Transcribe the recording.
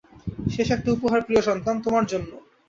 শেষ একটা উপহার প্রিয় সন্তান, তোমার জন্য।